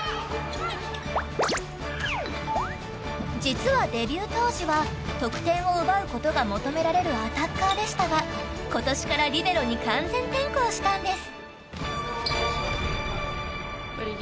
実は、デビュー当時は得点を奪うことが求められるアタッカーでしたが今年からリベロに完全転向したんです。